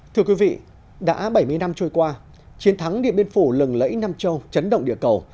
thưa quý vị đã bảy mươi năm trôi qua chiến thắng điện biên phủ lừng lẫy nam châu chấn động địa cầu